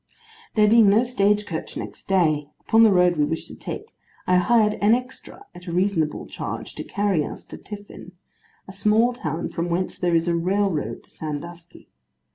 There being no stage coach next day, upon the road we wished to take, I hired 'an extra,' at a reasonable charge to carry us to Tiffin; a small town from whence there is a railroad to Sandusky.